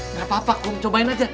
ngapapa kom cobain aja